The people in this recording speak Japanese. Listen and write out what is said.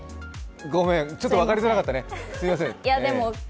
ごめん、ちょっと分かりづらかったね。